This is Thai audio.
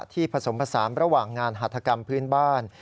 ผสมผสานระหว่างงานหัฐกรรมพื้นบ้าน